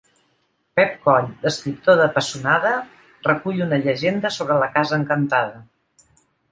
Pep Coll, l'escriptor de Pessonada, recull una llegenda sobre la Casa Encantada.